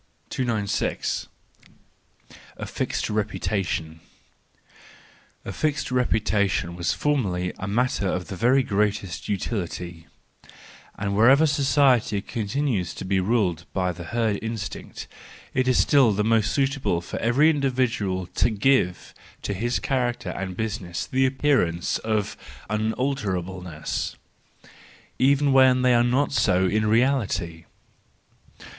296. A Fixed Reputation .—A fixed reputation was formerly a matter of the very greatest utility ; and wherever society continues to be ruled by the herd instinct, it is still most suitable for every individual to give to his character and business the appearance of unalterableness,—even when they are not so in reality.